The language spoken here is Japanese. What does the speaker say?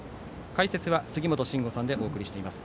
解説は杉本真吾さんでお送りしています。